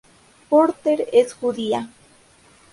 Porter es judía.